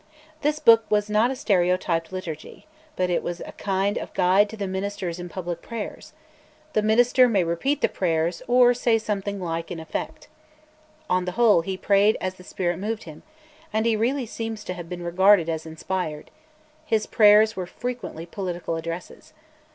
This book was not a stereotyped Liturgy, but it was a kind of guide to the ministers in public prayers: the minister may repeat the prayers, or "say something like in effect." On the whole, he prayed "as the Spirit moved him," and he really seems to have been regarded as inspired; his prayers were frequently political addresses.